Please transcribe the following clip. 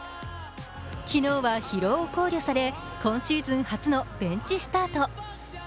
昨日は、疲労を考慮され今シーズン初のベンチスタート。